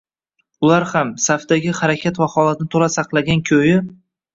Ular ham, safdagi harakat va holatni to‘la saqlagan ko‘yi